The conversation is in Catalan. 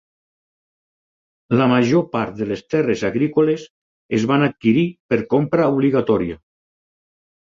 La major part de les terres agrícoles es van adquirir per compra obligatòria.